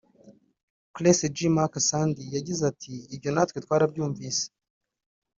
Clesse J Marc Sady yagize ati “Ibyo natwe twarabyumvise